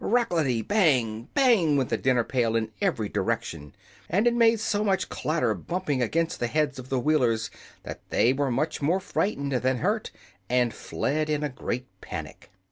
Rattlety, bang! bang! went the dinner pail in every direction, and it made so much clatter bumping against the heads of the Wheelers that they were much more frightened than hurt and fled in a great panic.